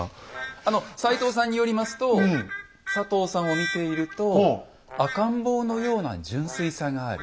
あの斎藤さんによりますと佐藤さんを見ていると赤ん坊のような純粋さがある。